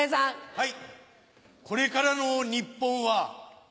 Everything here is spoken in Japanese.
はい。